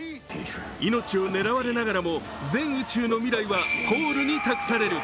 命を狙われながらも全宇宙の未来はポールに託される。